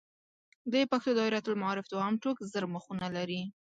د پښتو دایرة المعارف دوهم ټوک زر مخونه لري.